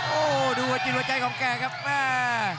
โอ้โหดูหัวจิตหัวใจของแกครับแม่